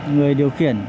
người điều khiển